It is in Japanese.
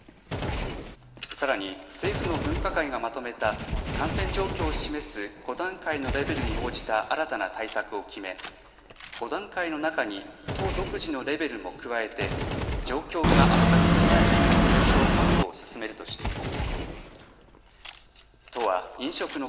さらに政府の分科会がまとめた感染状況を示す５段階のレベルに応じた新たな対策を決め、５段階の中に都独自のレベルも加えて状況が悪化する前に病床確保を進めるとしています。